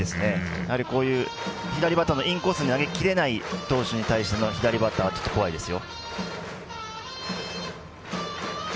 やはり、左バッターのインコースに投げきれない投手に対しての左バッターは怖いですよ。